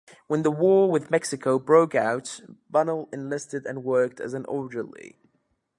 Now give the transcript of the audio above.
When the War with Mexico broke out, Bunnell enlisted and worked as an orderly.